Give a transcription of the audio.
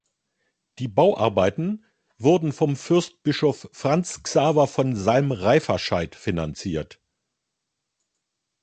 Die Bauarbeiten wurden vom Fürstbischof Franz Xaver von Salm-Reifferscheidt finanziert.